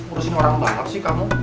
urusin orang banget sih kamu